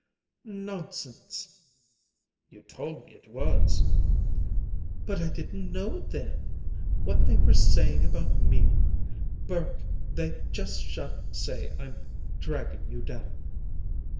"Nonsense!" "You told me it was." "But I didn't know then what they were saying about me. Burke, they just shan't say I'm dragging you down."